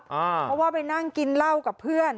เพราะว่าไปนั่งกินเหล้ากับเพื่อน